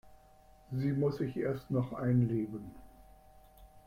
Sie muss sich erst noch einleben.